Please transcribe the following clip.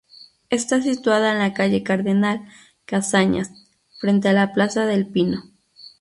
Está situada en la calle Cardenal Casañas, frente a la plaza del Pino.